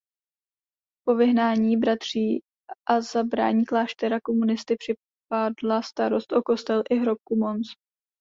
Po vyhnání bratří a zabrání kláštera komunisty připadla starost o kostel i hrobku Mons.